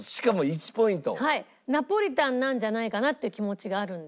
ナポリタンなんじゃないかな？って気持ちがあるんですけど。